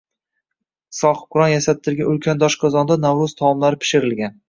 Sohibqiron yasattirgan ulkan doshqozonda Navro‘z taomlari pishirilgan